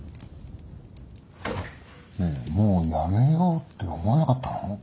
ねえもうやめようって思わなかったの？